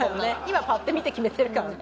今パッて見て決めてるからね。